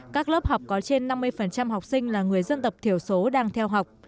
các lớp học có trên năm mươi học sinh là người dân tập thiểu số đang theo học